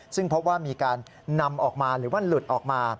ซึ่งพบว่ามีการนำออกมาหรือว่าหลุดออกมา